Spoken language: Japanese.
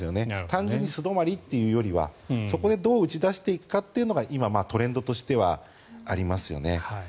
単純に素泊まりというよりはそこでどう打ち出していくかというのがトレンドとしてはありますね。